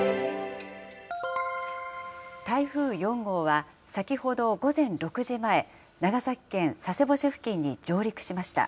台風４号は、先ほど午前６時前、長崎県佐世保市付近に上陸しました。